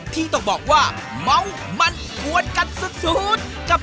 ที่เก่าเวลาเดิมเลยนะครับ